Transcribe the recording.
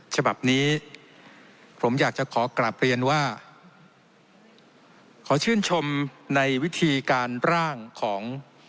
ฉบับนี้ผมอยากจะขอกลับเรียนว่าขอชื่นชมในวิธีการร่างของ